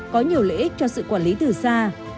có nhiều lợi ích cho sự quản lý từ xa